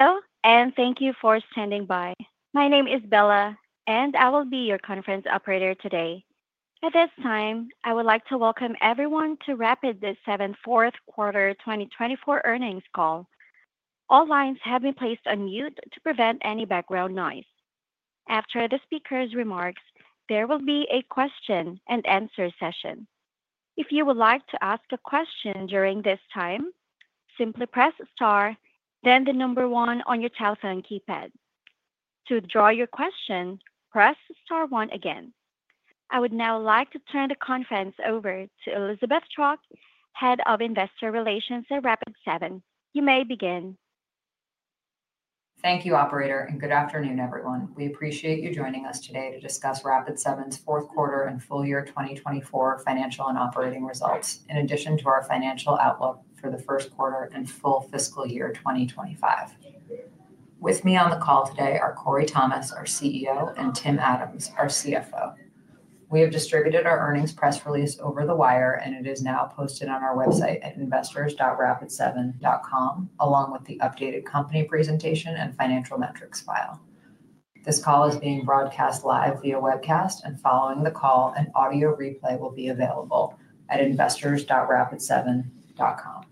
Hello, and thank you for standing by. My name is Bella, and I will be your conference operator today. At this time, I would like to welcome everyone to Rapid7's fourth quarter 2024 earnings call. All lines have been placed on mute to prevent any background noise. After the speaker's remarks, there will be a question-and-answer session. If you would like to ask a question during this time, simply press Star, then the number one on your telephone keypad. To withdraw your question, press Star one again. I would now like to turn the conference over to Elizabeth Chwalk, Head of Investor Relations at Rapid7. You may begin. Thank you, Operator, and good afternoon, everyone. We appreciate you joining us today to discuss Rapid7's fourth quarter and full year 2024 financial and operating results, in addition to our financial outlook for the first quarter and full fiscal year 2025. With me on the call today are Corey Thomas, our CEO, and Tim Adams, our CFO. We have distributed our earnings press release over the wire, and it is now posted on our website at investors.rapid7.com, along with the updated company presentation and financial metrics file. This call is being broadcast live via webcast, and following the call, an audio replay will be available at investors.rapid7.com.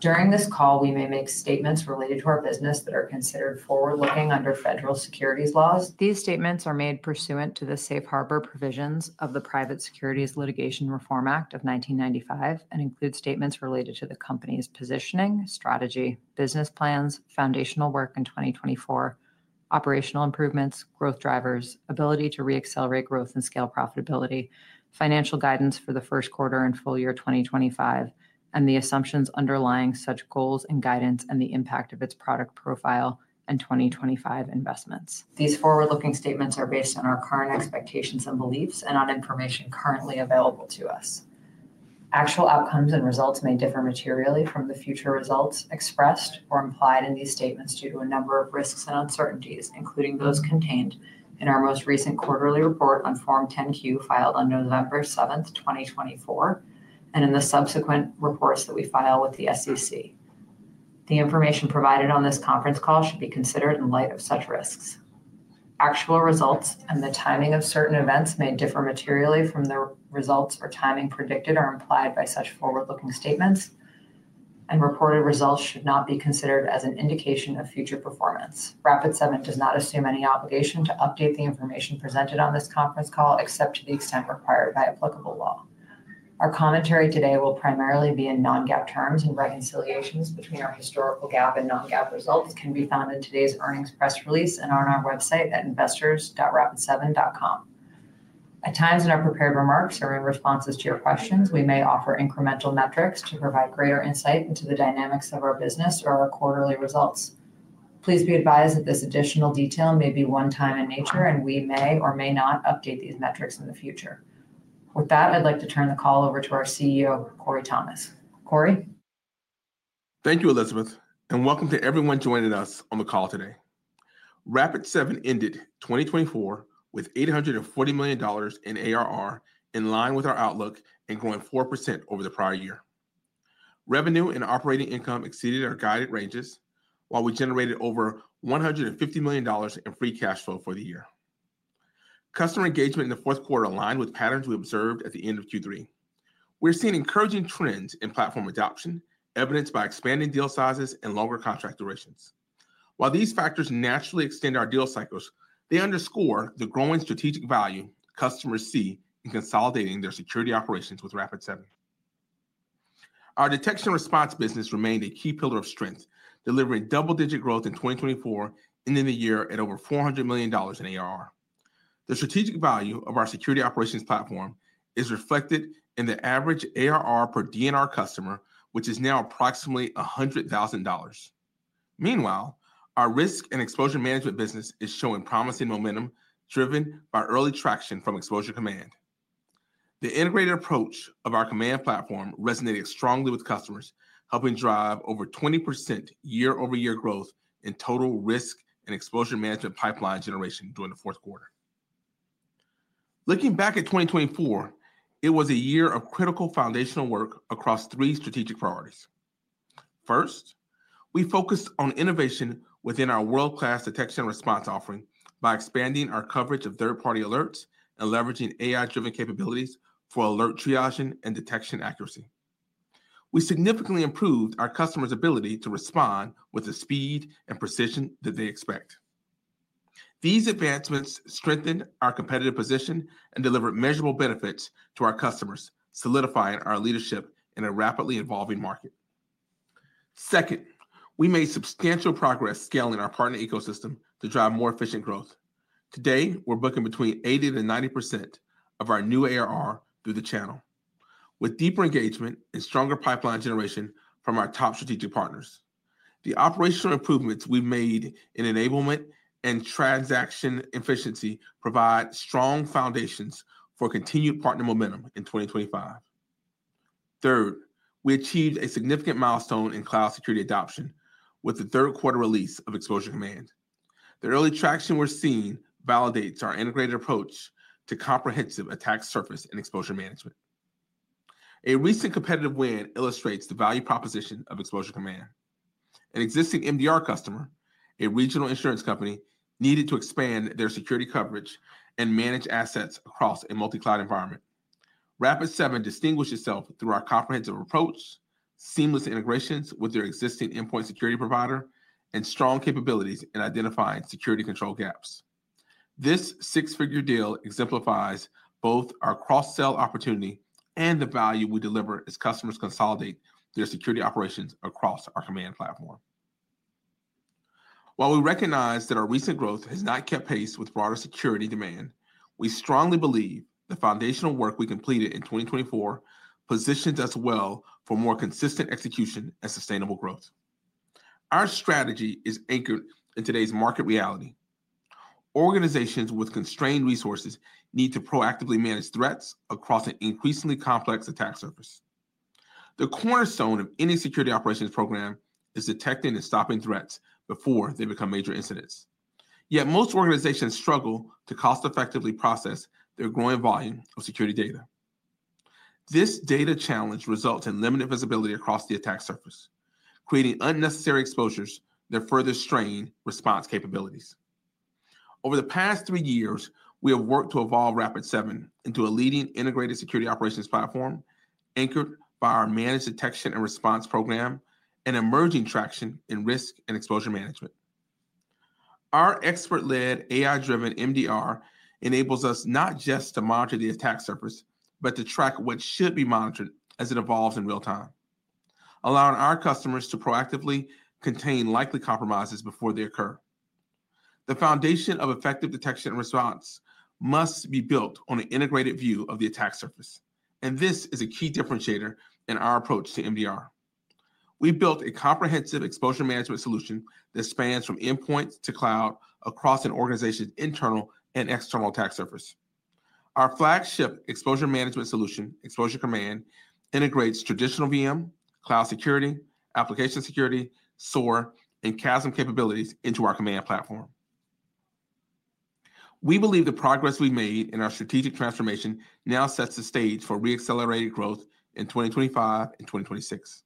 During this call, we may make statements related to our business that are considered forward-looking under federal securities laws. These statements are made pursuant to the Safe Harbor provisions of the Private Securities Litigation Reform Act of 1995 and include statements related to the company's positioning, strategy, business plans, foundational work in 2024, operational improvements, growth drivers, ability to re-accelerate growth and scale profitability, financial guidance for the first quarter and full year 2025, and the assumptions underlying such goals and guidance and the impact of its product profile and 2025 investments. These forward-looking statements are based on our current expectations and beliefs and on information currently available to us. Actual outcomes and results may differ materially from the future results expressed or implied in these statements due to a number of risks and uncertainties, including those contained in our most recent quarterly report on Form 10-Q filed on November 7th, 2024, and in the subsequent reports that we file with the SEC. The information provided on this conference call should be considered in light of such risks. Actual results and the timing of certain events may differ materially from the results or timing predicted or implied by such forward-looking statements, and reported results should not be considered as an indication of future performance. Rapid7 does not assume any obligation to update the information presented on this conference call, except to the extent required by applicable law. Our commentary today will primarily be in non-GAAP terms, and reconciliations between our historical GAAP and non-GAAP results can be found in today's earnings press release and on our website at investors.rapid7.com. At times in our prepared remarks or in responses to your questions, we may offer incremental metrics to provide greater insight into the dynamics of our business or our quarterly results. Please be advised that this additional detail may be one-time in nature, and we may or may not update these metrics in the future. With that, I'd like to turn the call over to our CEO, Corey Thomas. Corey. Thank you, Elizabeth, and welcome to everyone joining us on the call today. Rapid7 ended 2024 with $840 million in ARR in line with our outlook and growing 4% over the prior year. Revenue and operating income exceeded our guided ranges, while we generated over $150 million in free cash flow for the year. Customer engagement in the fourth quarter aligned with patterns we observed at the end of Q3. We're seeing encouraging trends in platform adoption, evidenced by expanding deal sizes and longer contract durations. While these factors naturally extend our deal cycles, they underscore the growing strategic value customers see in consolidating their security operations with Rapid7. Our detection response business remained a key pillar of strength, delivering double-digit growth in 2024 and in the year at over $400 million in ARR. The strategic value of our security operations platform is reflected in the average ARR per D&R customer, which is now approximately $100,000. Meanwhile, our risk and exposure management business is showing promising momentum driven by early traction from Exposure Command. The integrated approach of our Command Platform resonated strongly with customers, helping drive over 20% year-over-year growth in total risk and exposure management pipeline generation during the fourth quarter. Looking back at 2024, it was a year of critical foundational work across three strategic priorities. First, we focused on innovation within our world-class detection response offering by expanding our coverage of third-party alerts and leveraging AI-driven capabilities for alert triaging and detection accuracy. We significantly improved our customers' ability to respond with the speed and precision that they expect. These advancements strengthened our competitive position and delivered measurable benefits to our customers, solidifying our leadership in a rapidly evolving market. Second, we made substantial progress scaling our partner ecosystem to drive more efficient growth. Today, we're booking between 80% to 90% of our new ARR through the channel, with deeper engagement and stronger pipeline generation from our top strategic partners. The operational improvements we've made in enablement and transaction efficiency provide strong foundations for continued partner momentum in 2025. Third, we achieved a significant milestone in cloud security adoption with the third quarter release of Exposure Command. The early traction we're seeing validates our integrated approach to comprehensive attack surface and exposure management. A recent competitive win illustrates the value proposition of Exposure Command. An existing MDR customer, a regional insurance company, needed to expand their security coverage and manage assets across a multi-cloud environment. Rapid7 distinguished itself through our comprehensive approach, seamless integrations with their existing endpoint security provider, and strong capabilities in identifying security control gaps. This six-figure deal exemplifies both our cross-sell opportunity and the value we deliver as customers consolidate their security operations across our Command Platform. While we recognize that our recent growth has not kept pace with broader security demand, we strongly believe the foundational work we completed in 2024 positions us well for more consistent execution and sustainable growth. Our strategy is anchored in today's market reality. Organizations with constrained resources need to proactively manage threats across an increasingly complex attack surface. The cornerstone of any security operations program is detecting and stopping threats before they become major incidents. Yet most organizations struggle to cost-effectively process their growing volume of security data. This data challenge results in limited visibility across the attack surface, creating unnecessary exposures that further strain response capabilities. Over the past three years, we have worked to evolve Rapid7 into a leading integrated security operations platform anchored by our managed detection and response program and emerging traction in risk and exposure management. Our expert-led AI-driven MDR enables us not just to monitor the attack surface, but to track what should be monitored as it evolves in real time, allowing our customers to proactively contain likely compromises before they occur. The foundation of effective detection and response must be built on an integrated view of the attack surface, and this is a key differentiator in our approach to MDR. We built a comprehensive exposure management solution that spans from endpoints to cloud across an organization's internal and external attack surface. Our flagship exposure management solution, Exposure Command, integrates traditional VM, cloud security, application security, SOAR, and CAASM capabilities into our Command Platform. We believe the progress we've made in our strategic transformation now sets the stage for re-accelerated growth in 2025 and 2026.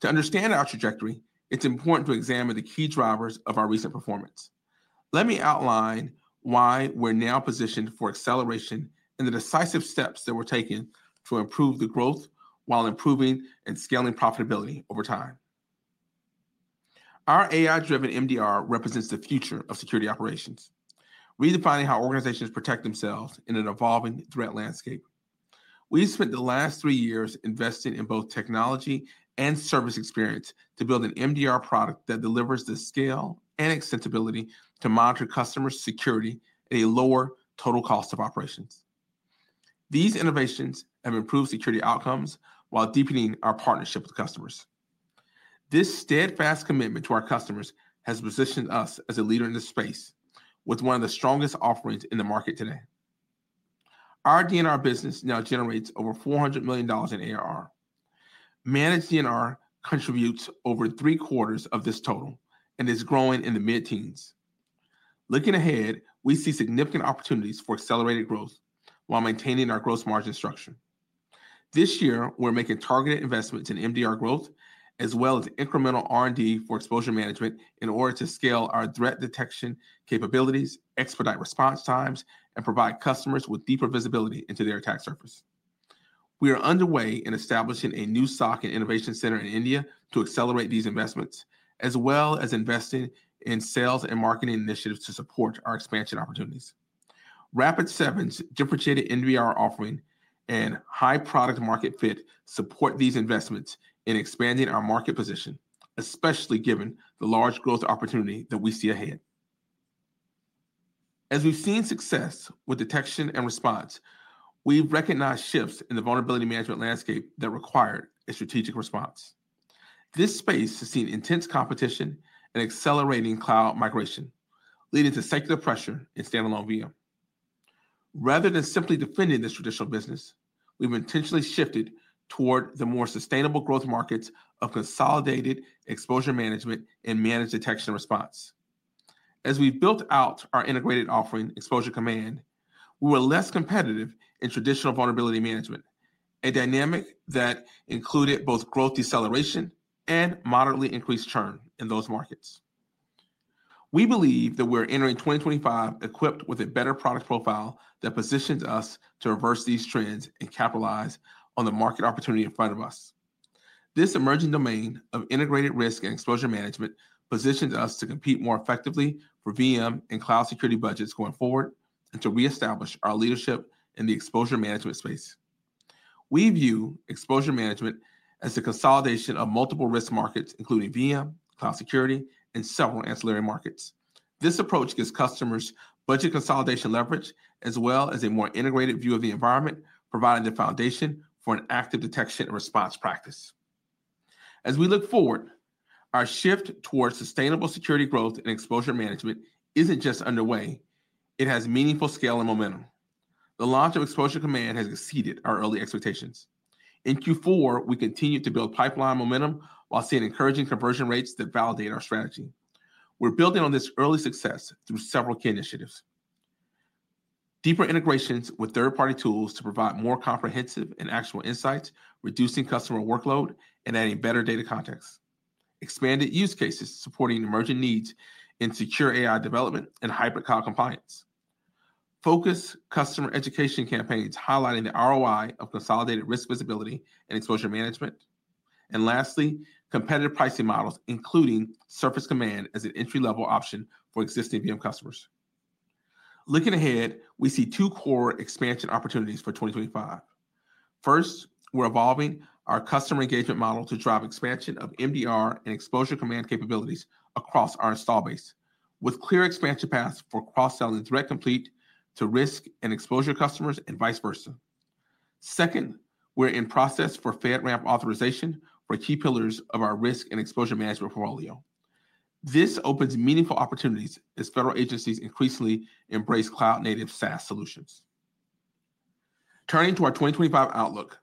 To understand our trajectory, it's important to examine the key drivers of our recent performance. Let me outline why we're now positioned for acceleration and the decisive steps that were taken to improve the growth while improving and scaling profitability over time. Our AI-driven MDR represents the future of security operations, redefining how organizations protect themselves in an evolving threat landscape. We spent the last three years investing in both technology and service experience to build an MDR product that delivers the scale and extensibility to monitor customers' security at a lower total cost of operations. These innovations have improved security outcomes while deepening our partnership with customers. This steadfast commitment to our customers has positioned us as a leader in this space with one of the strongest offerings in the market today. Our D&R business now generates over $400 million in ARR. Managed D&R contributes over three quarters of this total and is growing in the mid-teens. Looking ahead, we see significant opportunities for accelerated growth while maintaining our gross margin structure. This year, we're making targeted investments in MDR growth, as well as incremental R&D for exposure management in order to scale our threat detection capabilities, expedite response times, and provide customers with deeper visibility into their attack surface. We are underway in establishing a new SOC and innovation center in India to accelerate these investments, as well as investing in sales and marketing initiatives to support our expansion opportunities. Rapid7's differentiated MDR offering and high product-to-market fit support these investments in expanding our market position, especially given the large growth opportunity that we see ahead. As we've seen success with detection and response, we've recognized shifts in the vulnerability management landscape that required a strategic response. This space has seen intense competition and accelerating cloud migration, leading to secular pressure in standalone VM. Rather than simply defending this traditional business, we've intentionally shifted toward the more sustainable growth markets of consolidated exposure management and managed detection and response. As we've built out our integrated offering, Exposure Command, we were less competitive in traditional vulnerability management, a dynamic that included both growth deceleration and moderately increased churn in those markets. We believe that we're entering 2025 equipped with a better product profile that positions us to reverse these trends and capitalize on the market opportunity in front of us. This emerging domain of integrated risk and exposure management positions us to compete more effectively for VM and cloud security budgets going forward and to reestablish our leadership in the exposure management space. We view exposure management as the consolidation of multiple risk markets, including VM, cloud security, and several ancillary markets. This approach gives customers budget consolidation leverage, as well as a more integrated view of the environment, providing the foundation for an active detection and response practice. As we look forward, our shift towards sustainable security growth and exposure management isn't just underway. It has meaningful scale and momentum. The launch of Exposure Command has exceeded our early expectations. In Q4, we continued to build pipeline momentum while seeing encouraging conversion rates that validate our strategy. We're building on this early success through several key initiatives: deeper integrations with third-party tools to provide more comprehensive and actionable insights, reducing customer workload and adding better data contexts. Expanded use cases supporting emerging needs in secure AI development and hybrid cloud compliance. Focused customer education campaigns highlighting the ROI of consolidated risk visibility and exposure management. And lastly, competitive pricing models, including Surface Command as an entry-level option for existing VM customers. Looking ahead, we see two core expansion opportunities for 2025. First, we're evolving our customer engagement model to drive expansion of MDR and Exposure Command capabilities across our installed base, with clear expansion paths for cross-selling Threat Complete to risk and exposure customers and vice versa. Second, we're in the process for FedRAMP authorization for key pillars of our risk and exposure management portfolio. This opens meaningful opportunities as federal agencies increasingly embrace cloud-native SaaS solutions. Turning to our 2025 outlook,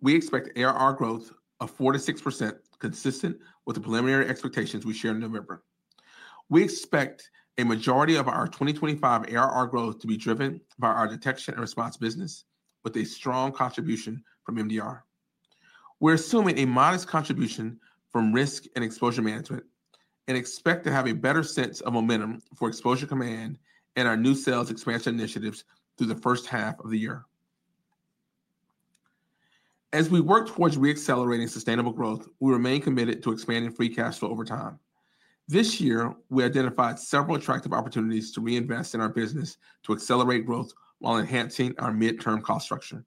we expect ARR growth of 4%-6%, consistent with the preliminary expectations we shared in November. We expect a majority of our 2025 ARR growth to be driven by our detection and response business, with a strong contribution from MDR. We're assuming a modest contribution from risk and exposure management and expect to have a better sense of momentum for Exposure Command and our new sales expansion initiatives through the first half of the year. As we work towards re-accelerating sustainable growth, we remain committed to expanding free cash flow over time. This year, we identified several attractive opportunities to reinvest in our business to accelerate growth while enhancing our midterm cost structure.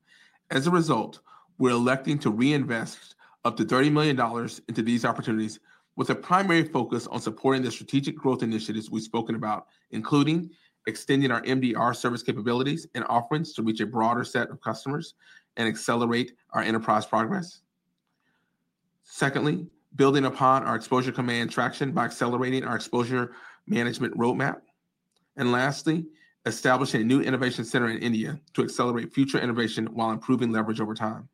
As a result, we're electing to reinvest up to $30 million into these opportunities, with a primary focus on supporting the strategic growth initiatives we've spoken about, including extending our MDR service capabilities and offerings to reach a broader set of customers and accelerate our enterprise progress. Secondly, building upon our Exposure Command traction by accelerating our exposure management roadmap. And lastly, establishing a new innovation center in India to accelerate future innovation while improving leverage over time.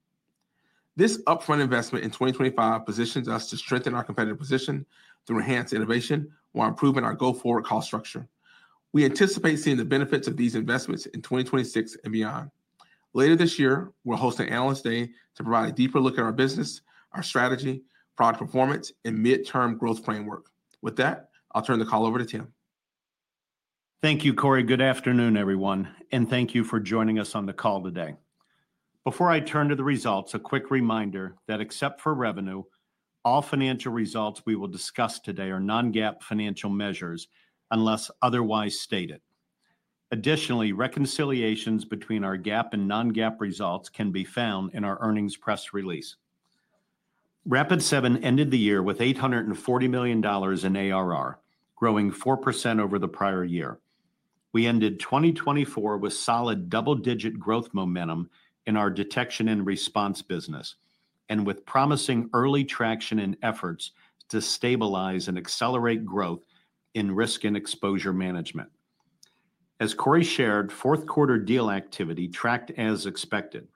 This upfront investment in 2025 positions us to strengthen our competitive position to enhance innovation while improving our go-forward cost structure. We anticipate seeing the benefits of these investments in 2026 and beyond. Later this year, we'll host an Analyst Day to provide a deeper look at our business, our strategy, product performance, and midterm growth framework. With that, I'll turn the call over to Tim. Thank you, Corey. Good afternoon, everyone, and thank you for joining us on the call today. Before I turn to the results, a quick reminder that except for revenue, all financial results we will discuss today are non-GAAP financial measures unless otherwise stated. Additionally, reconciliations between our GAAP and non-GAAP results can be found in our earnings press release. Rapid7 ended the year with $840 million in ARR, growing 4% over the prior year. We ended 2024 with solid double-digit growth momentum in our detection and response business and with promising early traction and efforts to stabilize and accelerate growth in risk and exposure management. As Corey shared, fourth quarter deal activity tracked as expected,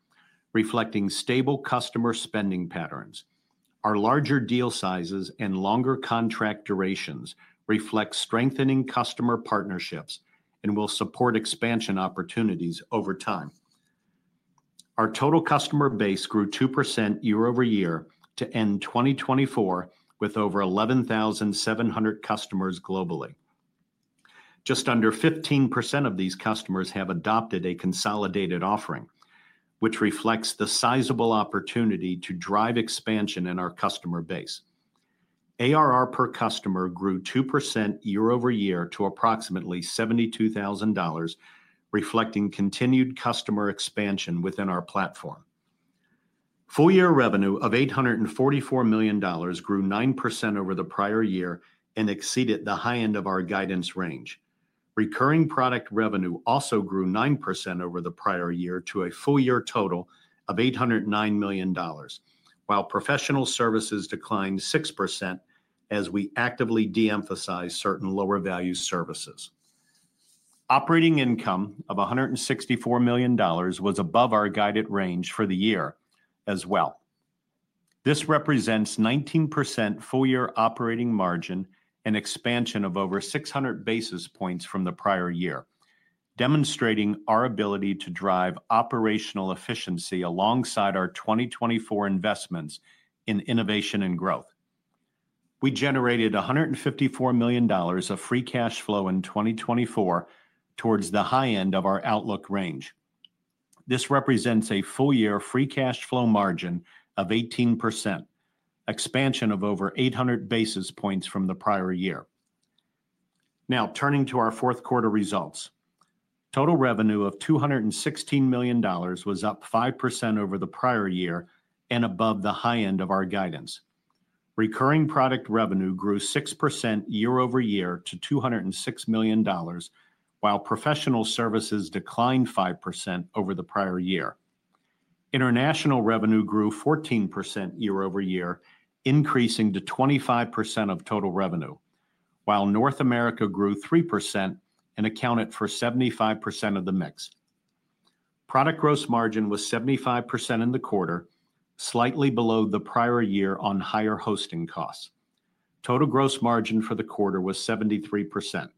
reflecting stable customer spending patterns. Our larger deal sizes and longer contract durations reflect strengthening customer partnerships and will support expansion opportunities over time. Our total customer base grew 2% year-over-year to end 2024 with over 11,700 customers globally. Just under 15% of these customers have adopted a consolidated offering, which reflects the sizable opportunity to drive expansion in our customer base. ARR per customer grew 2% year-over-year to approximately $72,000, reflecting continued customer expansion within our platform. Full-year revenue of $844 million grew 9% over the prior year and exceeded the high end of our guidance range. Recurring product revenue also grew 9% over the prior year to a full-year total of $809 million, while professional services declined 6% as we actively de-emphasize certain lower-value services. Operating income of $164 million was above our guided range for the year as well. This represents 19% full-year operating margin and expansion of over 600 basis points from the prior year, demonstrating our ability to drive operational efficiency alongside our 2024 investments in innovation and growth. We generated $154 million of free cash flow in 2024 toward the high end of our outlook range. This represents a full-year free cash flow margin of 18%, expansion of over 800 basis points from the prior year. Now, turning to our fourth quarter results, total revenue of $216 million was up 5% over the prior year and above the high end of our guidance. Recurring product revenue grew 6% year-over-year to $206 million, while professional services declined 5% over the prior year. International revenue grew 14% year over year, increasing to 25% of total revenue, while North America grew 3% and accounted for 75% of the mix. Product gross margin was 75% in the quarter, slightly below the prior year on higher hosting costs. Total gross margin for the quarter was 73%.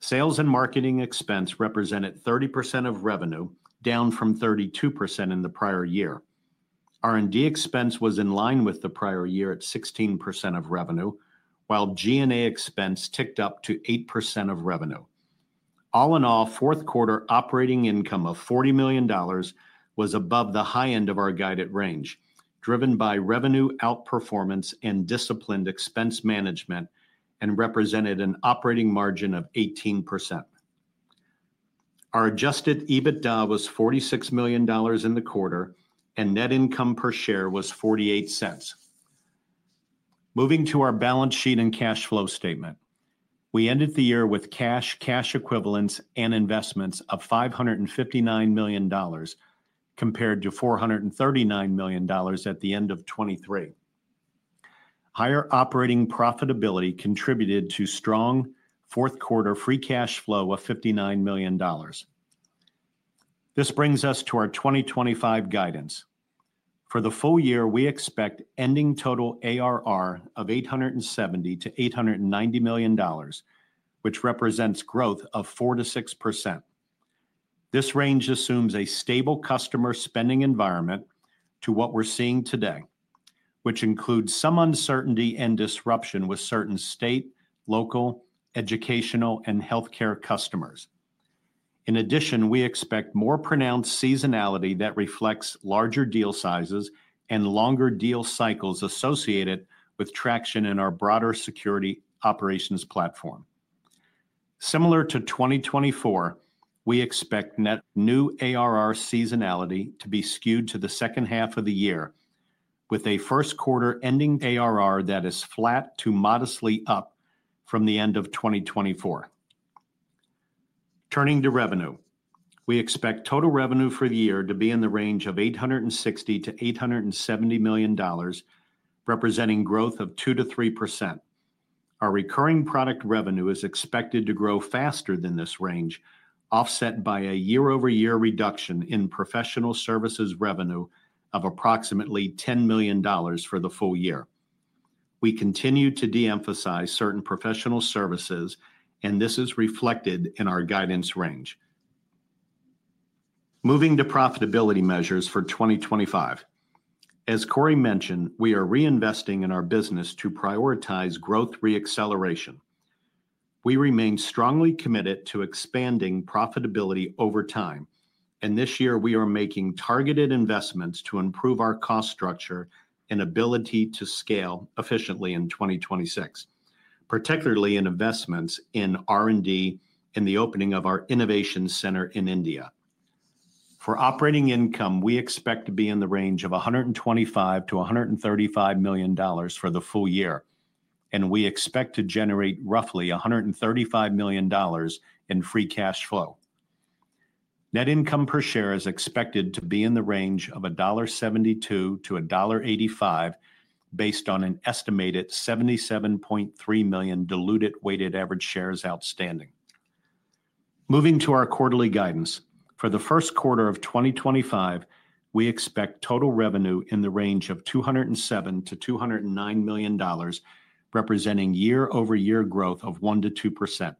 Sales and marketing expense represented 30% of revenue, down from 32% in the prior year. R&D expense was in line with the prior year at 16% of revenue, while G&A expense ticked up to 8% of revenue. All in all, fourth quarter operating income of $40 million was above the high end of our guided range, driven by revenue outperformance and disciplined expense management, and represented an operating margin of 18%. Our adjusted EBITDA was $46 million in the quarter, and net income per share was $0.48. Moving to our balance sheet and cash flow statement, we ended the year with cash, cash equivalents, and investments of $559 million compared to $439 million at the end of 2023. Higher operating profitability contributed to strong fourth quarter free cash flow of $59 million. This brings us to our 2025 guidance. For the full year, we expect ending total ARR of $870 million-$890 million, which represents growth of 4%-6%. This range assumes a stable customer spending environment to what we're seeing today, which includes some uncertainty and disruption with certain state, local, educational, and healthcare customers. In addition, we expect more pronounced seasonality that reflects larger deal sizes and longer deal cycles associated with traction in our broader security operations platform. Similar to 2024, we expect new ARR seasonality to be skewed to the second half of the year, with a first quarter ending ARR that is flat to modestly up from the end of 2024. Turning to revenue, we expect total revenue for the year to be in the range of $860 million-$870 million, representing growth of 2%-3%. Our recurring product revenue is expected to grow faster than this range, offset by a year-over-year reduction in professional services revenue of approximately $10 million for the full year. We continue to de-emphasize certain professional services, and this is reflected in our guidance range. Moving to profitability measures for 2025. As Corey mentioned, we are reinvesting in our business to prioritize growth re-acceleration. We remain strongly committed to expanding profitability over time, and this year we are making targeted investments to improve our cost structure and ability to scale efficiently in 2026, particularly in investments in R&D and the opening of our innovation center in India. For operating income, we expect to be in the range of $125 million-$135 million for the full year, and we expect to generate roughly $135 million in free cash flow. Net income per share is expected to be in the range of $1.72-$1.85, based on an estimated 77.3 million diluted weighted average shares outstanding. Moving to our quarterly guidance. For the first quarter of 2025, we expect total revenue in the range of $207 million-$209 million, representing year-over-year growth of 1%-2%.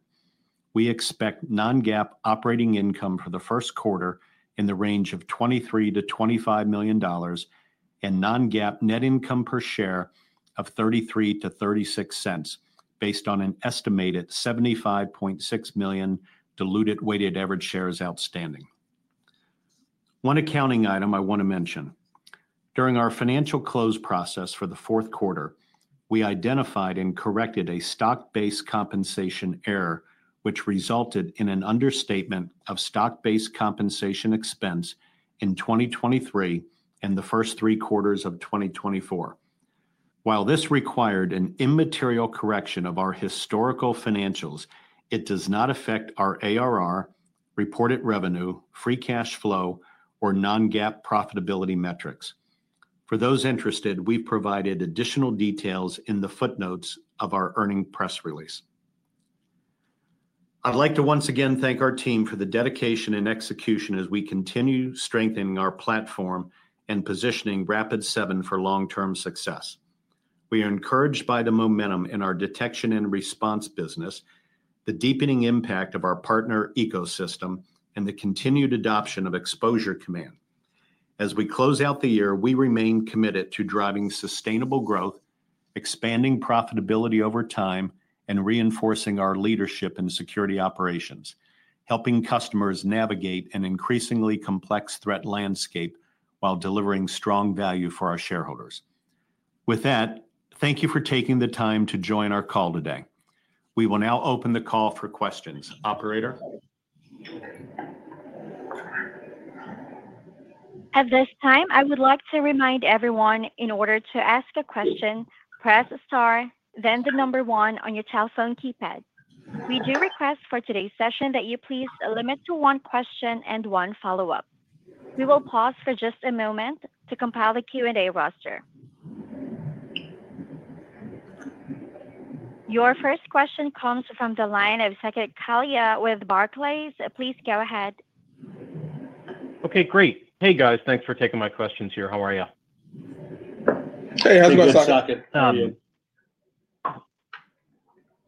We expect non-GAAP operating income for the first quarter in the range of $23 million-$25 million and non-GAAP net income per share of $0.33-$0.36, based on an estimated 75.6 million diluted weighted average shares outstanding. One accounting item I want to mention: during our financial close process for the fourth quarter, we identified and corrected a stock-based compensation error, which resulted in an understatement of stock-based compensation expense in 2023 and the first three quarters of 2024. While this required an immaterial correction of our historical financials, it does not affect our ARR, reported revenue, free cash flow, or non-GAAP profitability metrics. For those interested, we provided additional details in the footnotes of our earnings press release. I'd like to once again thank our team for the dedication and execution as we continue strengthening our platform and positioning Rapid7 for long-term success. We are encouraged by the momentum in our detection and response business, the deepening impact of our partner ecosystem, and the continued adoption of Exposure Command. As we close out the year, we remain committed to driving sustainable growth, expanding profitability over time, and reinforcing our leadership in security operations, helping customers navigate an increasingly complex threat landscape while delivering strong value for our shareholders. With that, thank you for taking the time to join our call today. We will now open the call for questions. Operator? At this time, I would like to remind everyone, in order to ask a question, press star, then the number one on your telephone keypad. We do request for today's session that you please limit to one question and one follow-up. We will pause for just a moment to compile the Q&A roster. Your first question comes from the line of Saket Kalia with Barclays. Please go ahead. Okay, great. Hey, guys. Thanks for taking my questions here. How are you? Hey, how's it going, Saket?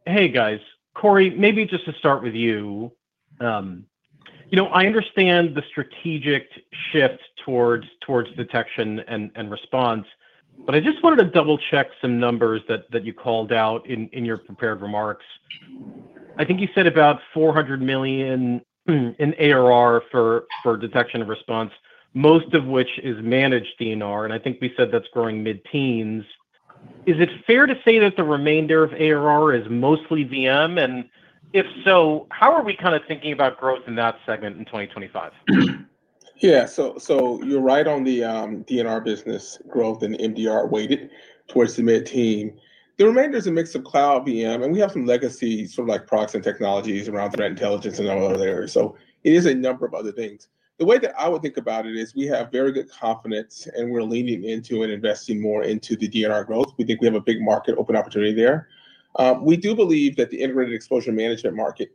Hey, guys. Corey, maybe just to start with you, I understand the strategic shift towards detection and response, but I just wanted to double-check some numbers that you called out in your prepared remarks. I think you said about $400 million in ARR for detection and response, most of which is managed D&R, and I think we said that's growing mid-teens. Is it fair to say that the remainder of ARR is mostly VM? And if so, how are we kind of thinking about growth in that segment in 2025? Yeah. So you're right on the D&R business growth and MDR weighted towards the mid-teens. The remainder is a mix of cloud, VM, and we have some legacy sort of like proxy and technologies around threat intelligence and all of those. So it is a number of other things. The way that I would think about it is we have very good confidence, and we're leaning into and investing more into the D&R growth. We think we have a big market open opportunity there. We do believe that the integrated exposure management market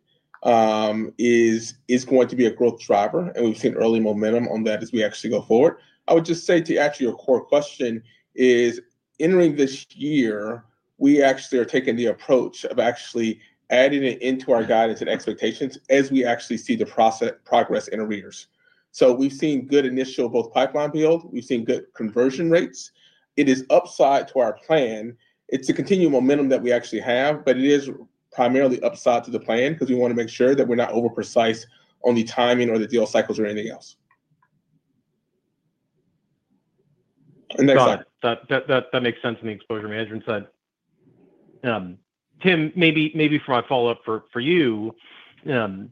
is going to be a growth driver, and we've seen early momentum on that as we actually go forward. I would just say to answer your core question is, entering this year, we actually are taking the approach of actually adding it into our guidance and expectations as we actually see the progress in ARR. So we've seen good initial both pipeline build. We've seen good conversion rates. It is upside to our plan. It's a continued momentum that we actually have, but it is primarily upside to the plan because we want to make sure that we're not over-precise on the timing or the deal cycles or anything else. That makes sense on the exposure management side. Tim, maybe for my follow-up for you, the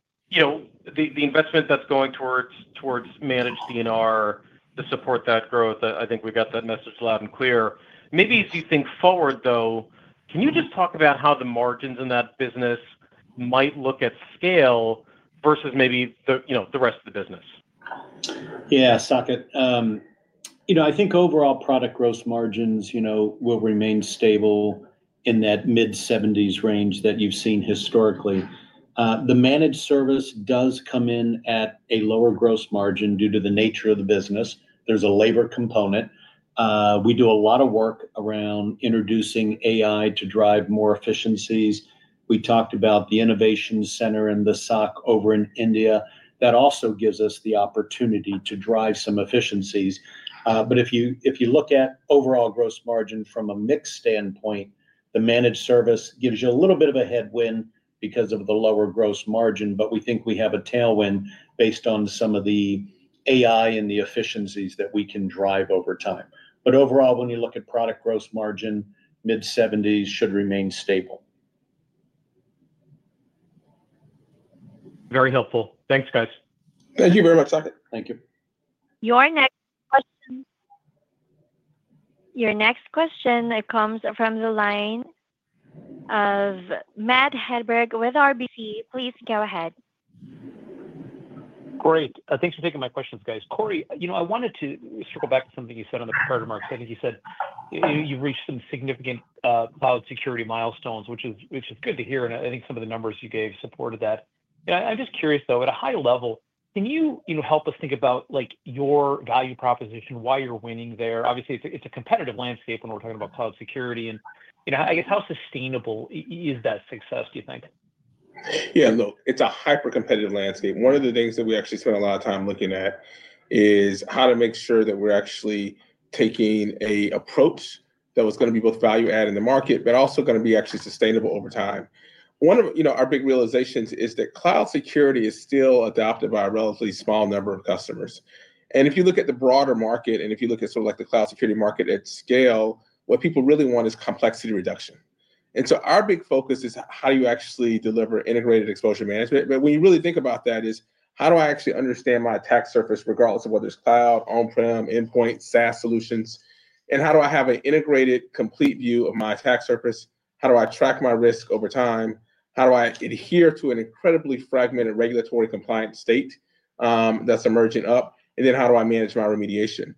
investment that's going towards managed D&R to support that growth, I think we've got that message loud and clear. Maybe as you think forward, though, can you just talk about how the margins in that business might look at scale versus maybe the rest of the business? Yeah, Saket. I think overall product gross margins will remain stable in that mid-70s range that you've seen historically. The managed service does come in at a lower gross margin due to the nature of the business. There's a labor component. We do a lot of work around introducing AI to drive more efficiencies. We talked about the innovation center and the SOC over in India. That also gives us the opportunity to drive some efficiencies. But if you look at overall gross margin from a mixed standpoint, the managed service gives you a little bit of a headwind because of the lower gross margin, but we think we have a tailwind based on some of the AI and the efficiencies that we can drive over time. But overall, when you look at product gross margin, mid-70s should remain stable. Very helpful. Thanks, guys. Thank you very much, Saket. Thank you. Your next question. Your next question comes from the line of Matt Hedberg with RBC. Please go ahead. Great. Thanks for taking my questions, guys. Corey, I wanted to circle back to something you said on the prepared remarks. I think you said you've reached some significant cloud security milestones, which is good to hear, and I think some of the numbers you gave supported that. I'm just curious, though, at a high level, can you help us think about your value proposition, why you're winning there? Obviously, it's a competitive landscape when we're talking about cloud security, and I guess how sustainable is that success, do you think? Yeah, look, it's a hyper-competitive landscape. One of the things that we actually spent a lot of time looking at is how to make sure that we're actually taking an approach that was going to be both value-add in the market, but also going to be actually sustainable over time. One of our big realizations is that cloud security is still adopted by a relatively small number of customers. And if you look at the broader market and if you look at sort of like the cloud security market at scale, what people really want is complexity reduction. And so our big focus is how do you actually deliver integrated exposure management. But when you really think about that, it's how do I actually understand my attack surface, regardless of whether it's cloud, on-prem, endpoint, SaaS solutions. And how do I have an integrated, complete view of my attack surface. How do I track my risk over time? How do I adhere to an incredibly fragmented regulatory compliance state that's emerging up? And then how do I manage my remediation?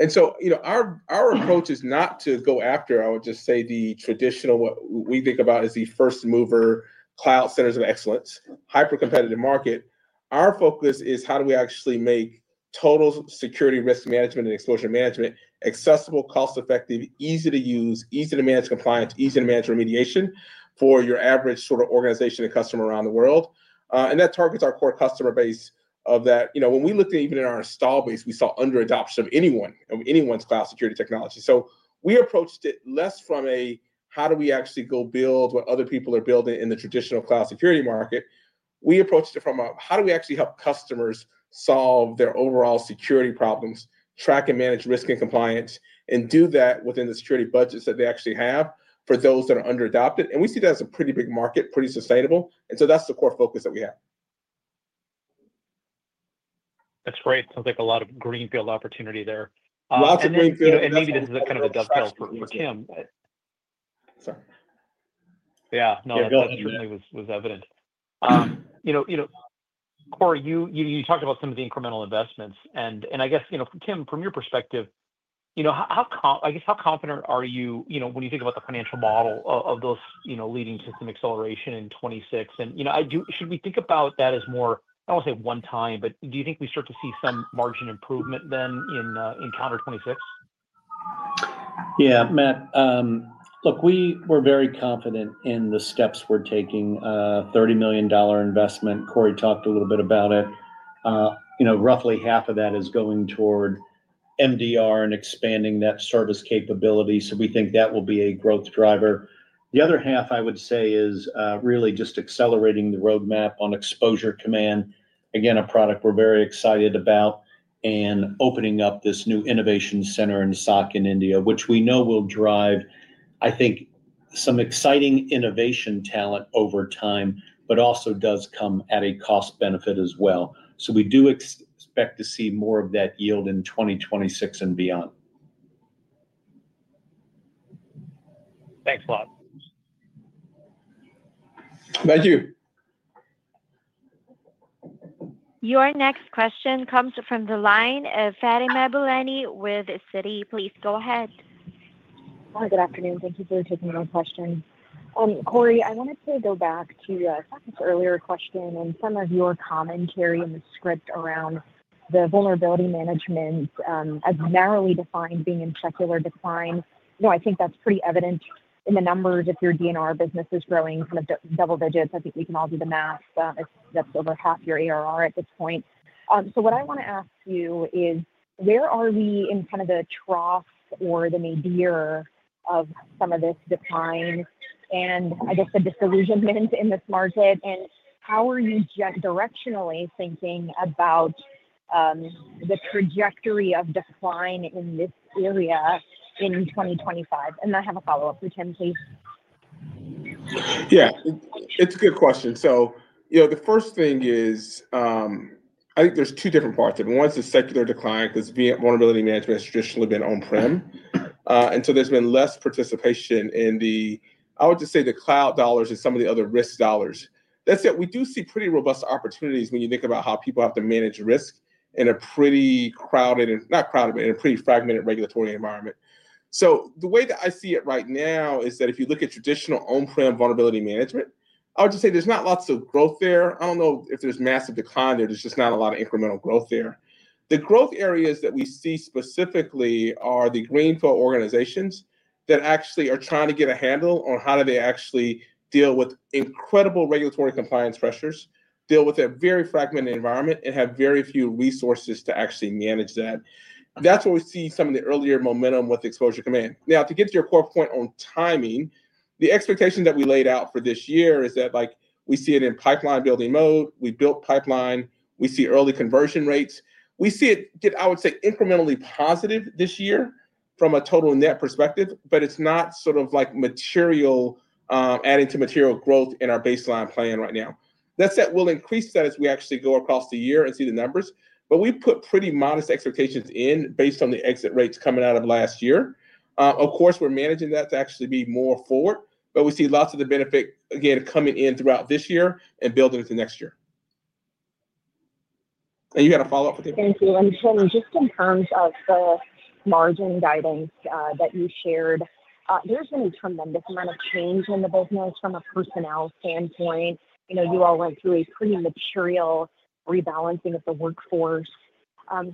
And so our approach is not to go after, I would just say, the traditional, what we think about as the first-mover cloud centers of excellence, hyper-competitive market. Our focus is how do we actually make total security risk management and exposure management accessible, cost-effective, easy to use, easy to manage compliance, easy to manage remediation for your average sort of organization and customer around the world. And that targets our core customer base of that. When we looked at even in our installed base, we saw under-adoption of anyone's cloud security technology. So we approached it less from a, how do we actually go build what other people are building in the traditional cloud security market? We approached it from how do we actually help customers solve their overall security problems, track and manage risk and compliance, and do that within the security budgets that they actually have for those that are under-adopted? And we see that as a pretty big market, pretty sustainable. And so that's the core focus that we have. That's great. Sounds like a lot of greenfield opportunity there. Lots of greenfield. And maybe this is kind of a dovetail for Tim. Sorry. Yeah, no, that certainly was evident. Corey, you talked about some of the incremental investments. And I guess, Tim, from your perspective, I guess how confident are you when you think about the financial model of those leading to some acceleration in 2026? And should we think about that as more, I don't want to say one time, but do you think we start to see some margin improvement then into 2026? Yeah, Matt. Look, we were very confident in the steps we're taking. $30 million investment. Corey talked a little bit about it. Roughly half of that is going toward MDR and expanding that service capability. So we think that will be a growth driver. The other half, I would say, is really just accelerating the roadmap on Exposure Command. Again, a product we're very excited about and opening up this new innovation center in SOC in India, which we know will drive, I think, some exciting innovation talent over time, but also does come at a cost benefit as well. So we do expect to see more of that yield in 2026 and beyond. Thanks a lot. Thank you. Your next question comes from the line of Fatima Boolani with Citi. Please go ahead. Hi, good afternoon. Thank you for taking my question. Corey, I wanted to go back to Saket's earlier question and some of your commentary, and the script around the vulnerability management as narrowly defined being in secular decline. I think that's pretty evident in the numbers. If your D&R business is growing kind of double digits, I think we can all do the math. That's over half your ARR at this point. So what I want to ask you is, where are we in kind of the trough or the nadir of some of this decline and, I guess, the disillusionment in this market? And how are you directionally thinking about the trajectory of decline in this area in 2025? And I have a follow-up for Tim, please. Yeah, it's a good question. So the first thing is, I think there's two different parts of it. One is the secular decline because vulnerability management has traditionally been on-prem. And so there's been less participation in the, I would just say, the cloud dollars and some of the other risk dollars. That said, we do see pretty robust opportunities when you think about how people have to manage risk in a pretty crowded, not crowded, but in a pretty fragmented regulatory environment. So the way that I see it right now is that if you look at traditional on-prem vulnerability management, I would just say there's not lots of growth there. I don't know if there's massive decline there. There's just not a lot of incremental growth there. The growth areas that we see specifically are the greenfield organizations that actually are trying to get a handle on how do they actually deal with incredible regulatory compliance pressures, deal with a very fragmented environment, and have very few resources to actually manage that. That's where we see some of the earlier momentum with Exposure Command. Now, to get to your core point on timing, the expectation that we laid out for this year is that we see it in pipeline building mode. We built pipeline. We see early conversion rates. We see it, I would say, incrementally positive this year from a total net perspective, but it's not sort of like adding to material growth in our baseline plan right now. That said, we'll increase that as we actually go across the year and see the numbers. But we put pretty modest expectations in based on the exit rates coming out of last year. Of course, we're managing that to actually be more forward, but we see lots of the benefit, again, coming in throughout this year and building into next year. And you had a follow-up for Tim. Thank you and Tim, just in terms of the margin guidance that you shared, there's been a tremendous amount of change in the business from a personnel standpoint. You all went through a pretty material rebalancing of the workforce.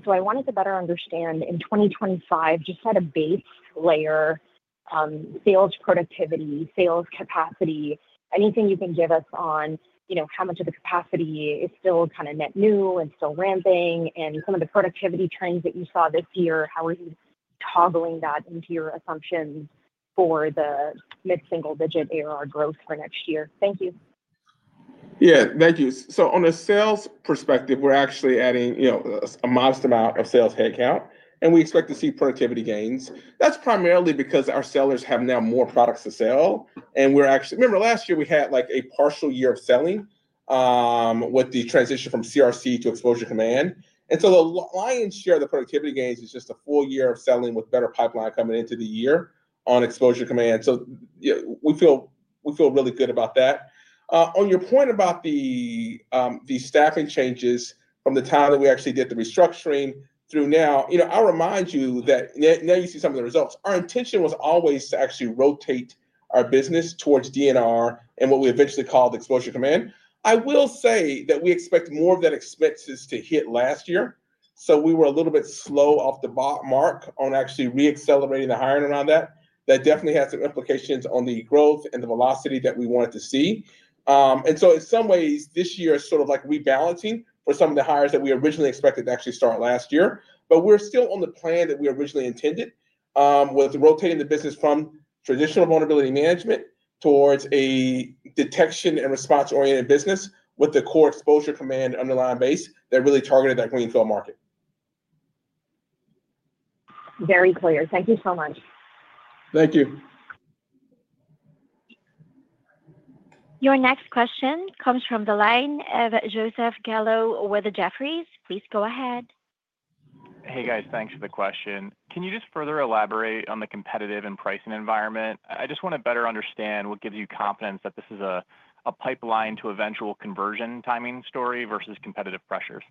So I wanted to better understand in 2025, just at a base layer, sales productivity, sales capacity, anything you can give us on how much of the capacity is still kind of net new and still ramping, and some of the productivity trends that you saw this year, how are you toggling that into your assumptions for the mid-single-digit ARR growth for next year? Thank you. Yeah, thank you. So on a sales perspective, we're actually adding a modest amount of sales headcount, and we expect to see productivity gains. That's primarily because our sellers have now more products to sell. Remember, last year, we had a partial year of selling with the transition from CRC to Exposure Command. And so the lion's share of the productivity gains is just a full year of selling with better pipeline coming into the year on Exposure Command. So we feel really good about that. On your point about the staffing changes from the time that we actually did the restructuring through now, I remind you that now you see some of the results. Our intention was always to actually rotate our business towards D&R and what we eventually called Exposure Command. I will say that we expect more of that expenses to hit last year. So we were a little bit slow off the mark on actually re-accelerating the hiring around that. That definitely has some implications on the growth and the velocity that we wanted to see. And so in some ways, this year is sort of like rebalancing for some of the hires that we originally expected to actually start last year. But we're still on the plan that we originally intended with rotating the business from traditional vulnerability management towards a detection and response-oriented business with the core Exposure Command underlying base that really targeted that greenfield market. Very clear. Thank you so much. Thank you. Your next question comes from the line of Joseph Gallo with Jefferies. Please go ahead. Hey, guys. Thanks for the question. Can you just further elaborate on the competitive and pricing environment? I just want to better understand what gives you confidence that this is a pipeline to eventual conversion timing story versus competitive pressures.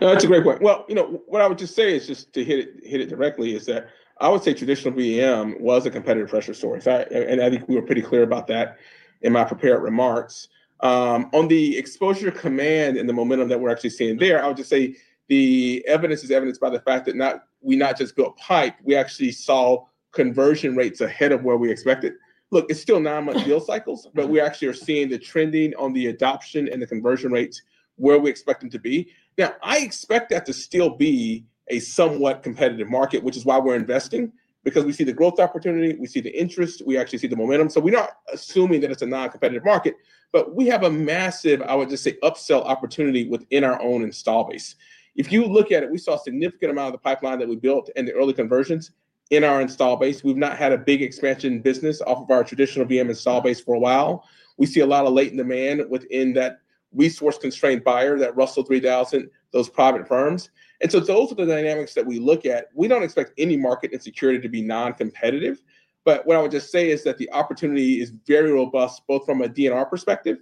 That's a great point. What I would just say is just to hit it directly is that I would say traditional VM was a competitive pressure story. And I think we were pretty clear about that in my prepared remarks. On the Exposure Command and the momentum that we're actually seeing there, I would just say the evidence is evidenced by the fact that we not just built pipe. We actually saw conversion rates ahead of where we expected. Look, it's still nine-month deal cycles, but we actually are seeing the trending on the adoption and the conversion rates where we expect them to be. Now, I expect that to still be a somewhat competitive market, which is why we're investing, because we see the growth opportunity. We see the interest. We actually see the momentum. So we're not assuming that it's a non-competitive market, but we have a massive, I would just say, upsell opportunity within our own installed base. If you look at it, we saw a significant amount of the pipeline that we built and the early conversions in our installed base. We've not had a big expansion business off of our traditional VM installed base for a while. We see a lot of latent demand within that resource-constrained buyer, that Russell 3000, those private firms. And so those are the dynamics that we look at. We don't expect any market uncertainty to be non-competitive. But what I would just say is that the opportunity is very robust, both from a D&R perspective,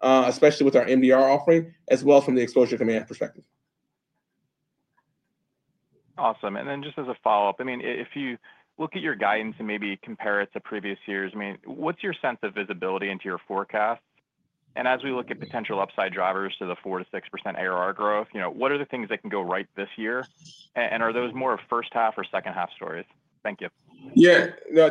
especially with our MDR offering, as well as from the Exposure Command perspective. Awesome. And then just as a follow-up, I mean, if you look at your guidance and maybe compare it to previous years, I mean, what's your sense of visibility into your forecast? And as we look at potential upside drivers to the 4%-6% ARR growth, what are the things that can go right this year? And are those more of first-half or second-half stories? Thank you. Yeah, no,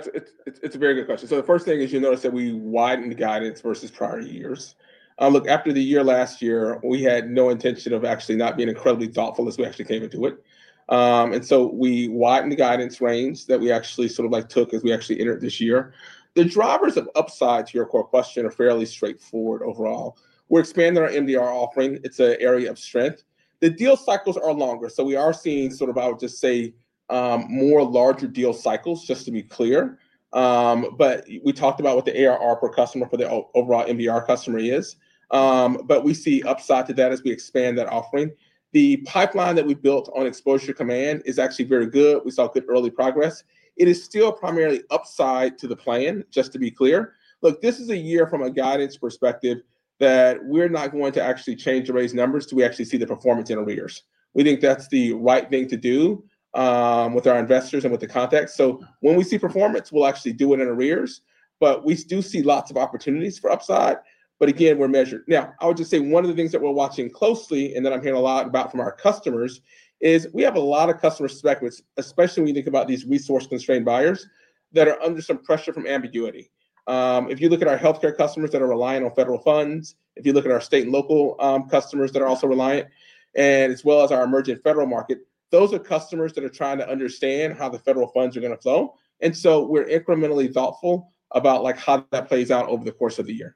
it's a very good question. So the first thing is you notice that we widened guidance versus prior years. Look, after the year last year, we had no intention of actually not being incredibly thoughtful as we actually came into it. And so we widened the guidance range that we actually sort of took as we actually entered this year. The drivers of upside to your core question are fairly straightforward overall. We're expanding our MDR offering. It's an area of strength. The deal cycles are longer. So we are seeing sort of, I would just say, more larger deal cycles, just to be clear. But we talked about what the ARR per customer for the overall MDR customer is. But we see upside to that as we expand that offering. The pipeline that we built on Exposure Command is actually very good. We saw good early progress. It is still primarily upside to the plan, just to be clear. Look, this is a year from a guidance perspective that we're not going to actually change or raise numbers till we actually see the performance in arrears. We think that's the right thing to do with our investors and with the context. So when we see performance, we'll actually do it in arrears. But we do see lots of opportunities for upside. But again, we're measured. Now, I would just say one of the things that we're watching closely, and that I'm hearing a lot about from our customers, is we have a lot of customer specs, especially when you think about these resource-constrained buyers that are under some pressure from ambiguity. If you look at our healthcare customers that are reliant on federal funds, if you look at our state and local customers that are also reliant, and as well as our emergent federal market, those are customers that are trying to understand how the federal funds are going to flow. And so we're incrementally thoughtful about how that plays out over the course of the year.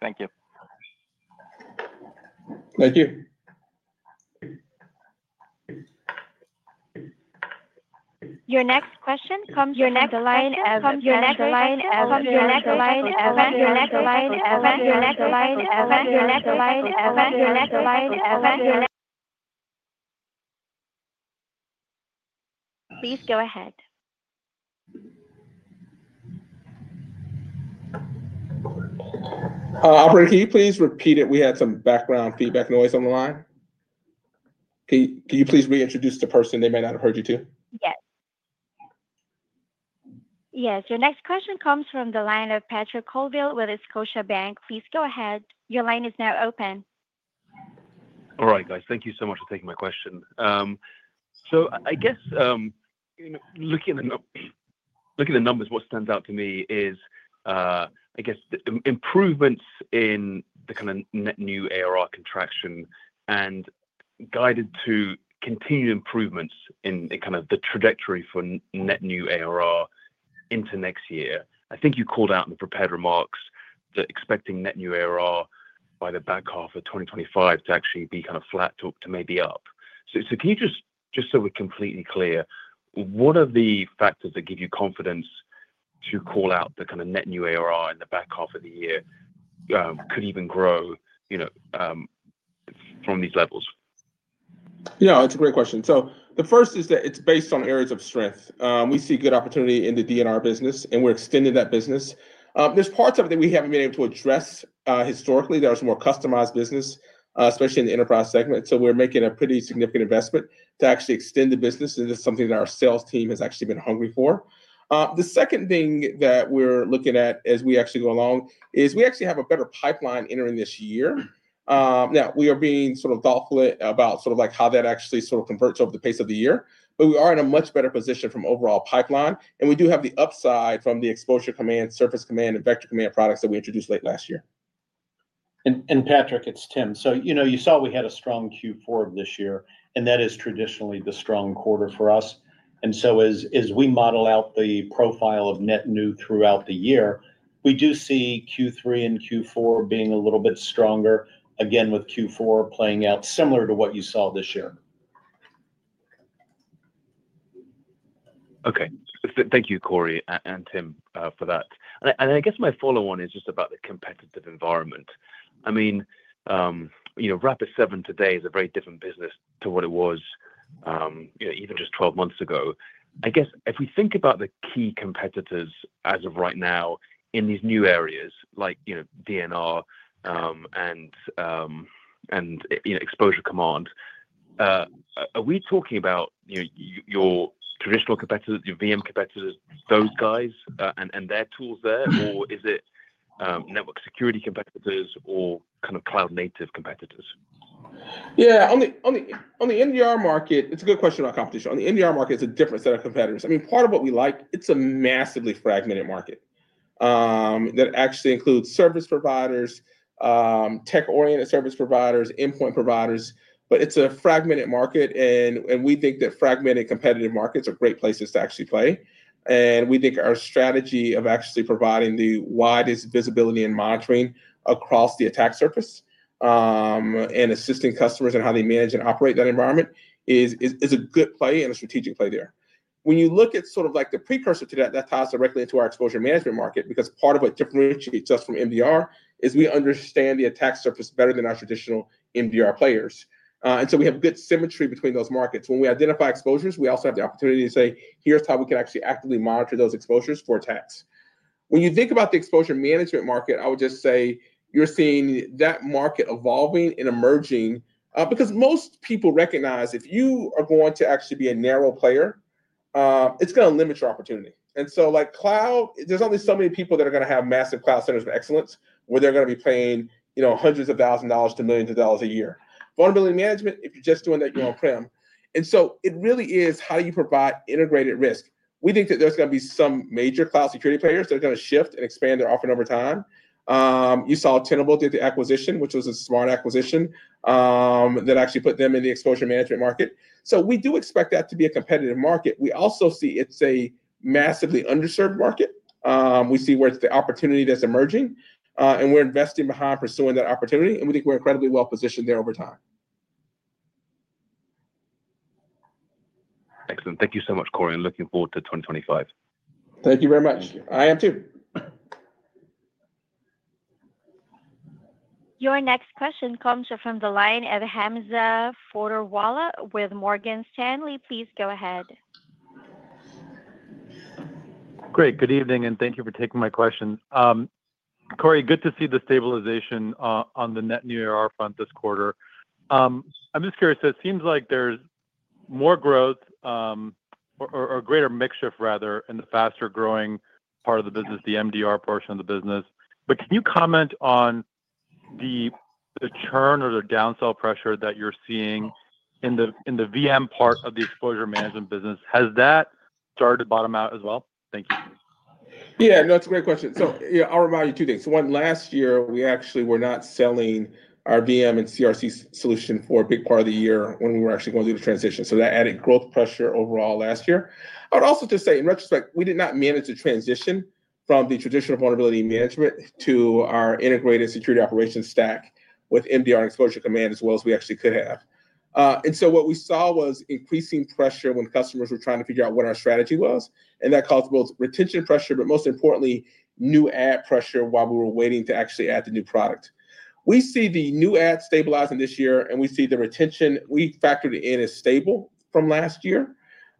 Thank you. Thank you. Your next question comes from the line of. Please go ahead. Operator, can you please repeat it? We had some background feedback noise on the line. Can you please reintroduce the person? They may not have heard you too. Yes. Yes. Your next question comes from the line of Patrick Colville with Scotiabank. Please go ahead. Your line is now open. All right, guys. Thank you so much for taking my question. So I guess looking at the numbers, what stands out to me is, I guess, improvements in the kind of net new ARR contraction and guided to continued improvements in kind of the trajectory for net new ARR into next year. I think you called out in the prepared remarks that expecting net new ARR by the back half of 2025 to actually be kind of flat to maybe up. So can you just, just so we're completely clear, what are the factors that give you confidence to call out the kind of net new ARR in the back half of the year could even grow from these levels? Yeah, that's a great question. So the first is that it's based on areas of strength. We see good opportunity in the D&R business, and we're extending that business. There's parts of it that we haven't been able to address historically. There's more customized business, especially in the enterprise segment. So we're making a pretty significant investment to actually extend the business. And it's something that our sales team has actually been hungry for. The second thing that we're looking at as we actually go along is we actually have a better pipeline entering this year. Now, we are being sort of thoughtful about sort of how that actually sort of converts over the pace of the year. But we are in a much better position from overall pipeline. And we do have the upside from the Exposure Command, Surface Command, and Vector Command products that we introduced late last year. And Patrick, it's Tim. So you saw we had a strong Q4 of this year, and that is traditionally the strong quarter for us. And so as we model out the profile of net new throughout the year, we do see Q3 and Q4 being a little bit stronger, again, with Q4 playing out similar to what you saw this year. Okay. Thank you, Corey and Tim, for that. And I guess my follow-on is just about the competitive environment. I mean, Rapid7 today is a very different business to what it was even just 12 months ago. I guess if we think about the key competitors as of right now in these new areas like D&R and Exposure Command, are we talking about your traditional competitors, your VM competitors, those guys and their tools there, or is it network security competitors or kind of cloud-native competitors? Yeah. On the MDR market, it's a good question about competition. On the MDR market, it's a different set of competitors. I mean, part of what we like, it's a massively fragmented market that actually includes service providers, tech-oriented service providers, endpoint providers. But it's a fragmented market, and we think that fragmented competitive markets are great places to actually play. And we think our strategy of actually providing the widest visibility and monitoring across the attack surface and assisting customers in how they manage and operate that environment is a good play and a strategic play there. When you look at sort of the precursor to that, that ties directly into our exposure management market because part of what differentiates us from MDR is we understand the attack surface better than our traditional MDR players. And so we have good symmetry between those markets. When we identify exposures, we also have the opportunity to say, "Here's how we can actually actively monitor those exposures for attacks." When you think about the exposure management market, I would just say you're seeing that market evolving and emerging because most people recognize if you are going to actually be a narrow player, it's going to limit your opportunity. And so cloud, there's only so many people that are going to have massive cloud centers of excellence where they're going to be paying hundreds of thousands of dollars to millions of dollars a year. Vulnerability management, if you're just doing that, you're on-prem. And so it really is how do you provide integrated risk. We think that there's going to be some major cloud security players that are going to shift and expand their offering over time. You saw Tenable did the acquisition, which was a smart acquisition that actually put them in the exposure management market. So we do expect that to be a competitive market. We also see it's a massively underserved market. We see where it's the opportunity that's emerging, and we're investing behind pursuing that opportunity. And we think we're incredibly well positioned there over time. Excellent. Thank you so much, Corey. I'm looking forward to 2025. Thank you very much. I am too. Your next question comes from the line of Hamza Fodderwala with Morgan Stanley. Please go ahead. Great. Good evening, and thank you for taking my question. Corey, good to see the stabilization on the net new ARR front this quarter. I'm just curious. It seems like there's more growth or greater mixture, rather, in the faster-growing part of the business, the MDR portion of the business. But can you comment on the churn or the downsell pressure that you're seeing in the VM part of the exposure management business? Has that started bottom out as well? Thank you. Yeah. No, it's a great question. So I'll remind you two things. One, last year, we actually were not selling our VM and CRC solution for a big part of the year when we were actually going through the transition. So that added growth pressure overall last year. I would also just say, in retrospect, we did not manage the transition from the traditional vulnerability management to our integrated security operations stack with MDR and Exposure Command as well as we actually could have. And so what we saw was increasing pressure when customers were trying to figure out what our strategy was. And that caused both retention pressure, but most importantly, net add pressure while we were waiting to actually add the new product. We see the net add stabilizing this year, and we see the retention we factored in is stable from last year.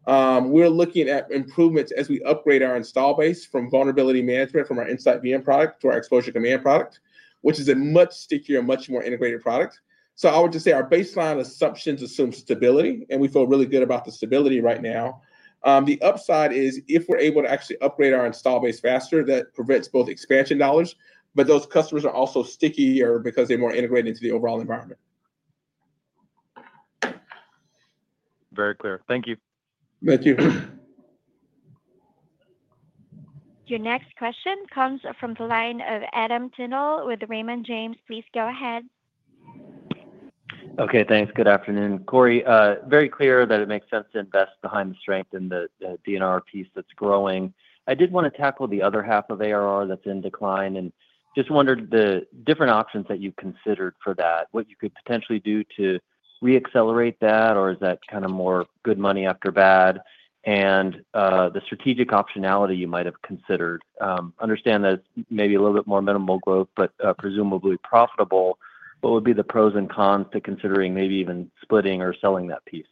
We're looking at improvements as we upgrade our installed base from vulnerability management from our InsightVM product to our Exposure Command product, which is a much stickier and much more integrated product. So I would just say our baseline assumptions assume stability, and we feel really good about the stability right now. The upside is if we're able to actually upgrade our installed base faster, that provides both expansion dollars, but those customers are also stickier because they're more integrated into the overall environment. Very clear. Thank you. Thank you. Your next question comes from the line of Adam Tindle with Raymond James. Please go ahead. Okay. Thanks. Good afternoon. Corey, very clear that it makes sense to invest behind the strength in the D&R piece that's growing. I did want to tackle the other half of ARR that's in decline and just wondered the different options that you considered for that, what you could potentially do to re-accelerate that, or is that kind of more good money after bad and the strategic optionality you might have considered? Understand that it's maybe a little bit more minimal growth, but presumably profitable. What would be the pros and cons to considering maybe even splitting or selling that piece?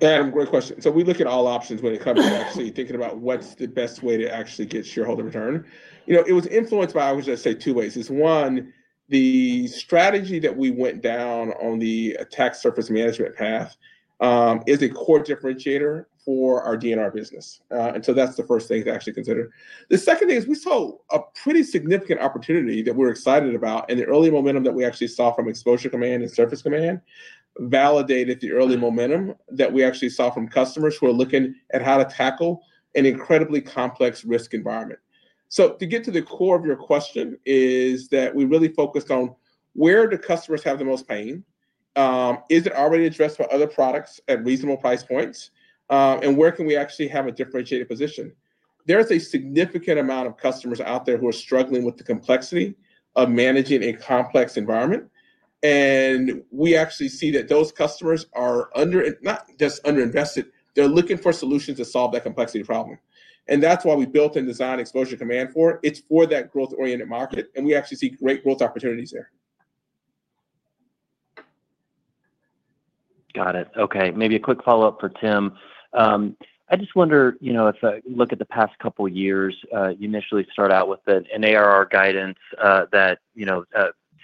Adam, great question. So we look at all options when it comes to actually thinking about what's the best way to actually get shareholder return. It was influenced by, I would just say, two ways. One, the strategy that we went down on the attack surface management path is a core differentiator for our D&R business. And so that's the first thing to actually consider. The second thing is we saw a pretty significant opportunity that we're excited about, and the early momentum that we actually saw from Exposure Command and Surface Command validated the early momentum that we actually saw from customers who are looking at how to tackle an incredibly complex risk environment. So to get to the core of your question is that we really focused on where do customers have the most pain? Is it already addressed by other products at reasonable price points? And where can we actually have a differentiated position? There is a significant amount of customers out there who are struggling with the complexity of managing a complex environment. And we actually see that those customers are not just under-invested. They're looking for solutions to solve that complexity problem. And that's why we built and designed Exposure Command for. It's for that growth-oriented market, and we actually see great growth opportunities there. Got it. Okay. Maybe a quick follow-up for Tim. I just wonder, if I look at the past couple of years, you initially start out with an ARR guidance that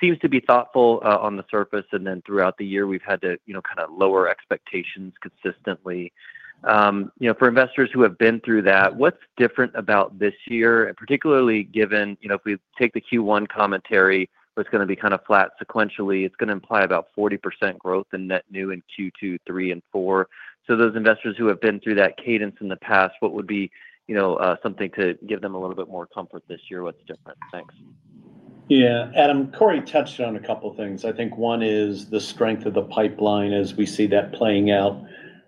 seems to be thoughtful on the surface, and then throughout the year, we've had to kind of lower expectations consistently. For investors who have been through that, what's different about this year, particularly given if we take the Q1 commentary, it's going to be kind of flat sequentially. It's going to imply about 40% growth in net new in Q2, Q3, and Q4. So those investors who have been through that cadence in the past, what would be something to give them a little bit more comfort this year? What's different? Thanks. Yeah. Adam, Corey touched on a couple of things. I think one is the strength of the pipeline as we see that playing out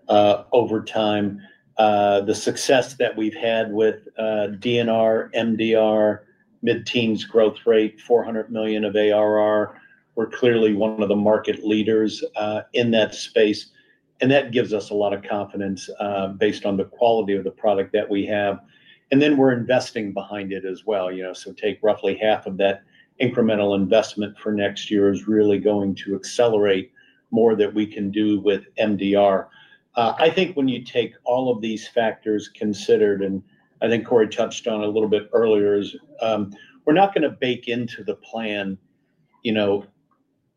over time. The success that we've had with D&R, MDR, mid-teens growth rate, $400 million of ARR. We're clearly one of the market leaders in that space, and that gives us a lot of confidence based on the quality of the product that we have. And then we're investing behind it as well. Roughly half of that incremental investment for next year is really going to accelerate more that we can do with MDR. I think when you take all of these factors considered, and I think Corey touched on a little bit earlier, we're not going to bake into the plan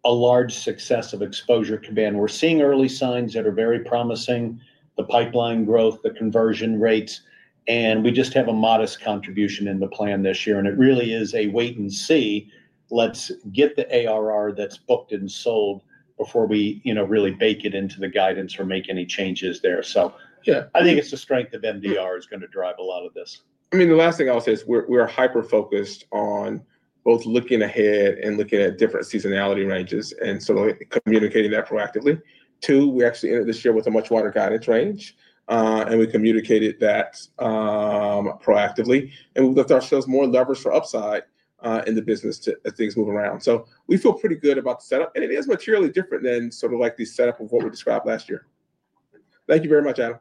a large success of Exposure Command. We're seeing early signs that are very promising, the pipeline growth, the conversion rates, and we just have a modest contribution in the plan this year. And it really is a wait and see. Let's get the ARR that's booked and sold before we really bake it into the guidance or make any changes there. So I think it's the strength of MDR is going to drive a lot of this. I mean, the last thing I'll say is we're hyper-focused on both looking ahead and looking at different seasonality ranges and sort of communicating that proactively. Too, we actually entered this year with a much wider guidance range, and we communicated that proactively. And we've left ourselves more levers for upside in the business as things move around. So we feel pretty good about the setup, and it is materially different than sort of like the setup of what we described last year. Thank you very much, Adam.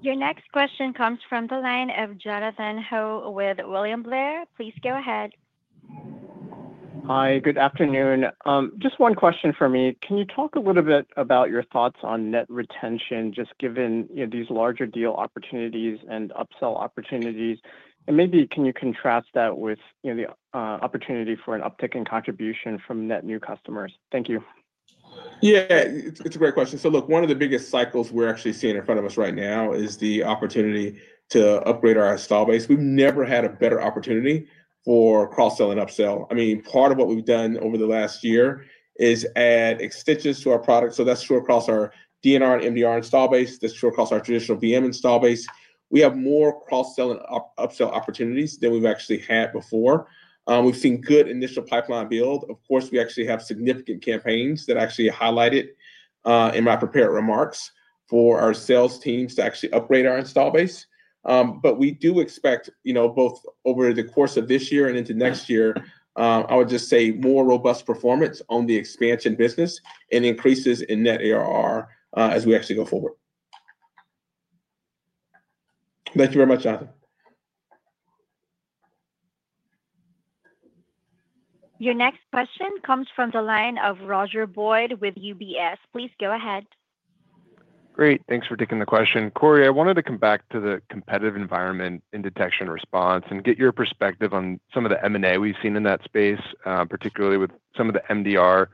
Your next question comes from the line of Jonathan Ho with William Blair. Please go ahead. Hi. Good afternoon. Just one question for me. Can you talk a little bit about your thoughts on net retention, just given these larger deal opportunities and upsell opportunities? And maybe can you contrast that with the opportunity for an uptick in contribution from net new customers? Thank you. Yeah. It's a great question, so look, one of the biggest cycles we're actually seeing in front of us right now is the opportunity to upgrade our install base. We've never had a better opportunity for cross-sell and upsell. I mean, part of what we've done over the last year is add extensions to our product, so that's true across our D&R and MDR install base. That's true across our traditional VM install base. We have more cross-sell and upsell opportunities than we've actually had before. We've seen good initial pipeline build. Of course, we actually have significant campaigns that actually highlighted in my prepared remarks for our sales teams to actually upgrade our install base. But we do expect both over the course of this year and into next year, I would just say more robust performance on the expansion business and increases in net ARR as we actually go forward. Thank you very much, Adam. Your next question comes from the line of Roger Boyd with UBS. Please go ahead. Great. Thanks for taking the question. Corey, I wanted to come back to the competitive environment in detection response and get your perspective on some of the M&A we've seen in that space, particularly with some of the MDR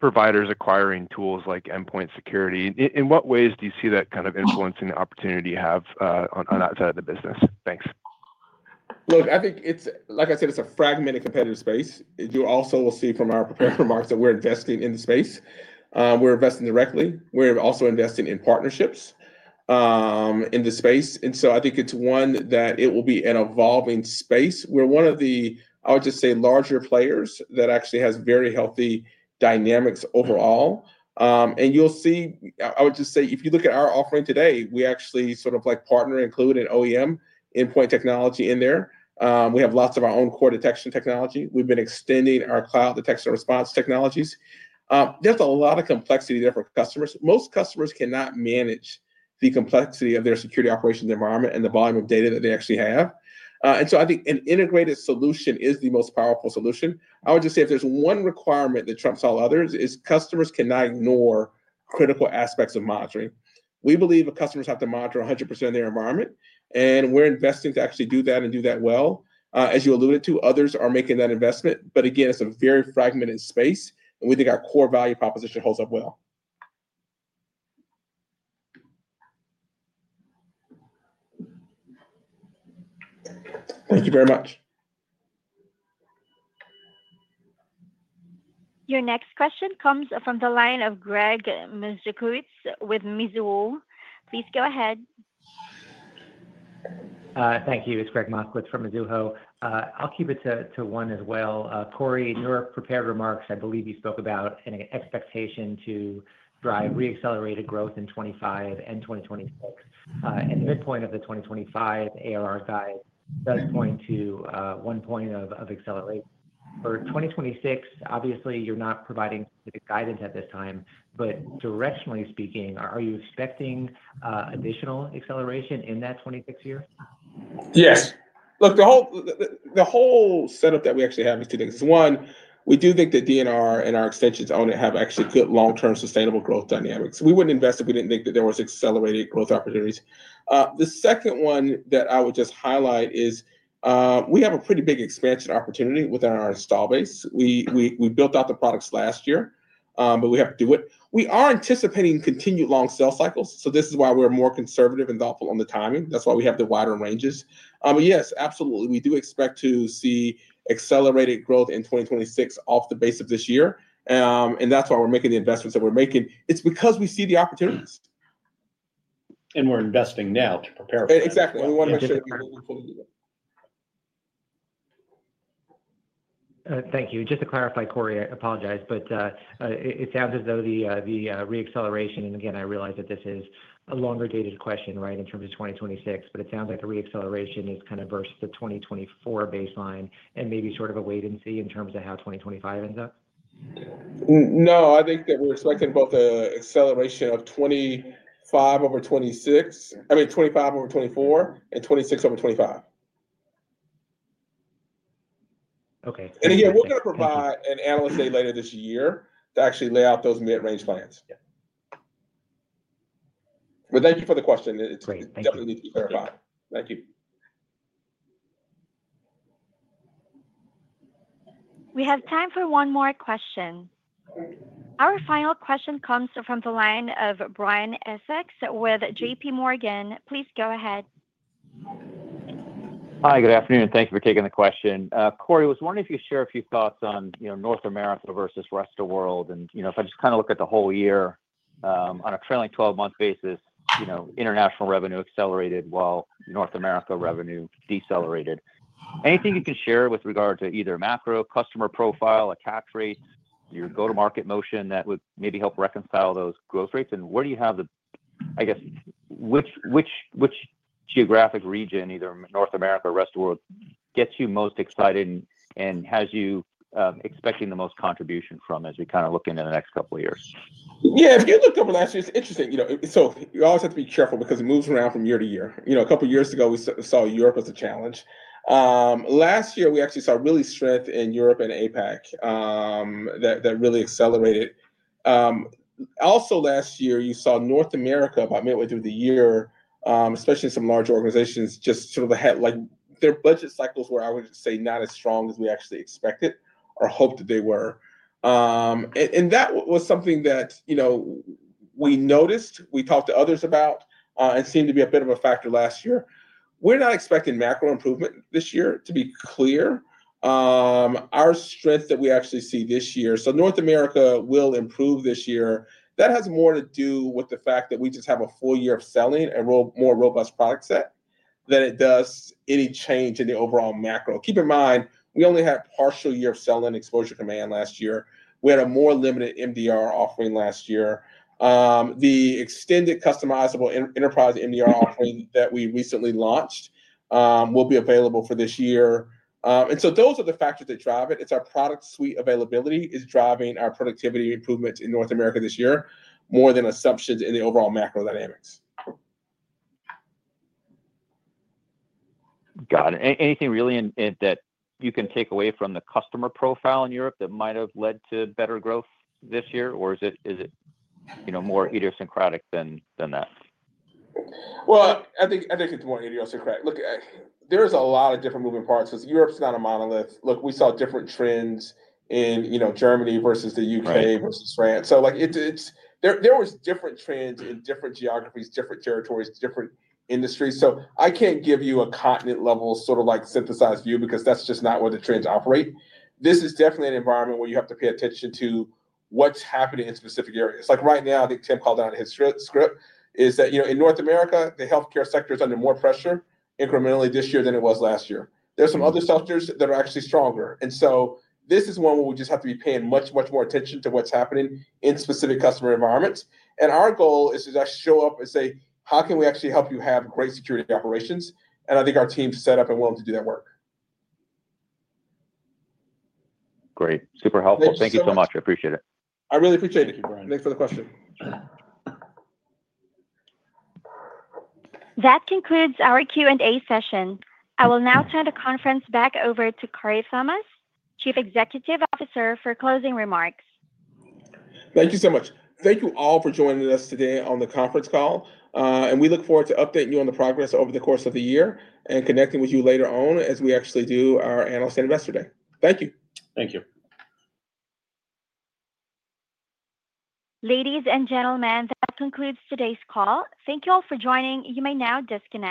providers acquiring tools like endpoint security. In what ways do you see that kind of influencing the opportunity you have on that side of the business? Thanks. Look, I think, like I said, it's a fragmented competitive space. You also will see from our prepared remarks that we're investing in the space. We're investing directly. We're also investing in partnerships in the space. And so I think it's one that it will be an evolving space. We're one of the, I would just say, larger players that actually has very healthy dynamics overall. And you'll see, I would just say, if you look at our offering today, we actually sort of partner included OEM endpoint technology in there. We have lots of our own core detection technology. We've been extending our cloud detection response technologies. There's a lot of complexity there for customers. Most customers cannot manage the complexity of their security operations environment and the volume of data that they actually have. And so I think an integrated solution is the most powerful solution. I would just say if there's one requirement that trumps all others, is customers cannot ignore critical aspects of monitoring. We believe that customers have to monitor 100% of their environment, and we're investing to actually do that and do that well. As you alluded to, others are making that investment. But again, it's a very fragmented space, and we think our core value proposition holds up well. Thank you very much. Your next question comes from the line of Gregg Moskowitz with Mizuho. Please go ahead. Thank you. It's Gregg Moskowitz from Mizuho. I'll keep it to one as well. Corey, in your prepared remarks, I believe you spoke about an expectation to drive re-accelerated growth in 2025 and 2026, and the midpoint of the 2025 ARR guide does point to one point of acceleration. For 2026, obviously, you're not providing guidance at this time, but directionally speaking, are you expecting additional acceleration in that 2026 year? Yes. Look, the whole setup that we actually have is two. One, we do think that D&R and our extensions on it have actually good long-term sustainable growth dynamics. We wouldn't invest if we didn't think that there were accelerated growth opportunities. The second one that I would just highlight is we have a pretty big expansion opportunity within our installed base. We built out the products last year, but we have to do it. We are anticipating continued long sales cycles. So this is why we're more conservative and thoughtful on the timing. That's why we have the wider ranges. But yes, absolutely. We do expect to see accelerated growth in 2026 off the base of this year. And that's why we're making the investments that we're making. It's because we see the opportunities. And we're investing now to prepare for it. Exactly. We want to make sure that we're willing to do it. Thank you. Just to clarify, Corey, I apologize, but it sounds as though the re-acceleration and again, I realize that this is a longer-dated question, right, in terms of 2026, but it sounds like the re-acceleration is kind of versus the 2024 baseline and maybe sort of a wait and see in terms of how 2025 ends up. No, I think that we're expecting both an acceleration of 2025 over 2026, I mean, 2025 over 2024, and 2026 over 2025. Okay. And again, we're going to provide an Analyst Day later this year to actually lay out those mid-range plans. But thank you for the question. It's definitely needs to be clarified. Thank you. We have time for one more question. Our final question comes from the line of Brian Essex with J.P. Morgan. Please go ahead. Hi. Good afternoon. Thank you for taking the question. Corey, I was wondering if you could share a few thoughts on North America versus the rest of the world. And if I just kind of look at the whole year on a trailing 12-month basis, international revenue accelerated while North America revenue decelerated. Anything you can share with regard to either macro customer profile, attach rates, your go-to-market motion that would maybe help reconcile those growth rates? And where do you have the, I guess, which geographic region, either North America or the rest of the world, gets you most excited and has you expecting the most contribution from as we kind of look into the next couple of years? Yeah. If you look over the last year, it's interesting. So you always have to be careful because it moves around from year to year. A couple of years ago, we saw Europe as a challenge. Last year, we actually saw real strength in Europe and APAC that really accelerated. Also, last year, you saw North America by midway through the year, especially in some large organizations, just sort of their budget cycles were, I would say, not as strong as we actually expected or hoped that they were. And that was something that we noticed, we talked to others about, and seemed to be a bit of a factor last year. We're not expecting macro improvement this year, to be clear. Our strength that we actually see this year, so North America will improve this year. That has more to do with the fact that we just have a full year of selling and more robust product set than it does any change in the overall macro. Keep in mind, we only had a partial year of selling Exposure Command last year. We had a more limited MDR offering last year. The extended customizable enterprise MDR offering that we recently launched will be available for this year, and so those are the factors that drive it. It's our product suite availability that is driving our productivity improvements in North America this year more than assumptions in the overall macro dynamics. Got it. Anything really that you can take away from the customer profile in Europe that might have led to better growth this year, or is it more idiosyncratic than that? Well, I think it's more idiosyncratic. Look, there's a lot of different moving parts because Europe's not a monolith. Look, we saw different trends in Germany versus the U.K. versus France. So there were different trends in different geographies, different territories, different industries. So I can't give you a continent-level sort of synthesized view because that's just not where the trends operate. This is definitely an environment where you have to pay attention to what's happening in specific areas. Right now, I think Tim called out in his script is that in North America, the healthcare sector is under more pressure incrementally this year than it was last year. There are some other sectors that are actually stronger, and so this is one where we just have to be paying much, much more attention to what's happening in specific customer environments. Our goal is to actually show up and say, "How can we actually help you have great security operations?" And I think our team's set up and willing to do that work. Great. Super helpful. Thank you so much. I appreciate it. I really appreciate it, Brian. Thanks for the question. That concludes our Q&A session. I will now turn the conference back over to Corey Thomas, Chief Executive Officer, for closing remarks. Thank you so much. Thank you all for joining us today on the conference call. And we look forward to updating you on the progress over the course of the year and connecting with you later on as we actually do our Analyst and Investor Day. Thank you. Thank you. Ladies and gentlemen, that concludes today's call. Thank you all for joining. You may now disconnect.